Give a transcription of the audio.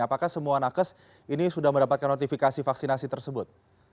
apakah semua nakes ini sudah mendapatkan notifikasi vaksinasi tersebut